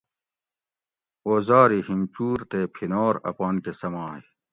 اوزار ای ہِمچور تے پِھنور اپان کہ سمائی